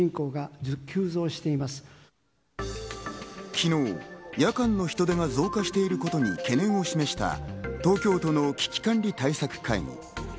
昨日、夜間の人出が増加していることに懸念を示した東京都の危機管理対策会議。